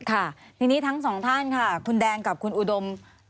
ทั้งสองท่านค่ะคุณแดงกับคุณอุดม